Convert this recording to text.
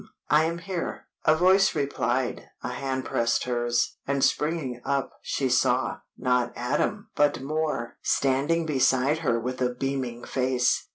"I am here." A voice replied, a hand pressed hers, and springing up she saw, not Adam, but Moor, standing beside her with a beaming face.